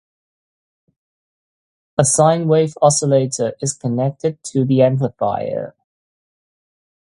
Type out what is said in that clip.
A sine wave oscillator is connected to the amplifier.